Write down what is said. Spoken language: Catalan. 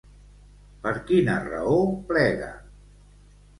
Per quina raó plega?